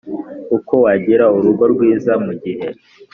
Uko wagira urugo rwiza mu gihe